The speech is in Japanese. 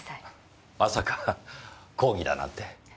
まさか抗議だなんて。